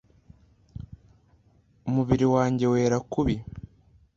umubiri wanjye wera kubi